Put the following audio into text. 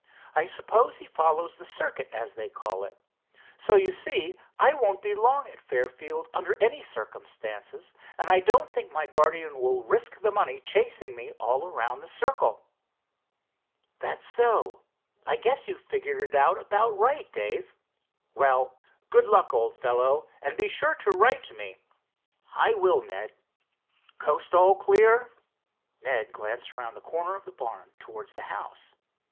I suppose he follows the circuit, as they call it. So, you see, I won't be long at Fairfield under any circumstances, and I don't think my guardian will risk the money chasing me all around the circle." "That's so. I guess you've figured it out about right, Dave. Well, good luck, old fellow, and be sure to write to me." "I will, Ned. Coast all clear?" Ned glanced around the corner of the barn towards the house.